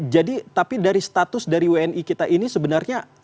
jadi tapi dari status dari wni kita ini sebenarnya